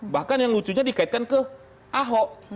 bahkan yang lucunya dikaitkan ke ahok